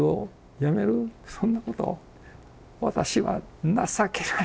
そんなこと私は情けない」